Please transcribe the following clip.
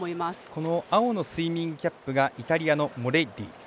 この青のスイミングキャップがイタリアのモレッリ。